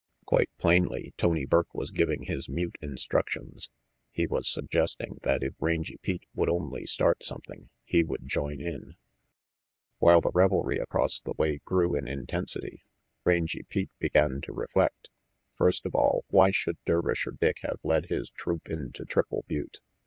Quite plainly, Tony Burke was giving his mute instructions. He was suggesting that if Rangy Pete would only start something, he would join in. While the revelry across the way grew in intensity, Rangy Pete began to reflect. First of all, why should Dervisher Dick have led his troupe into Triple Butte?